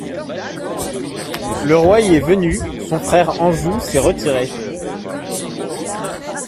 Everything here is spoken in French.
Le roi y est venu ; son frère Anjou s'est retiré.